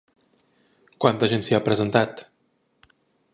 Quanta gent s'hi ha presentat?